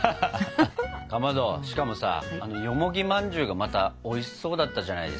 かまどしかもさあのよもぎまんじゅうがまたおいしそうだったじゃないですか。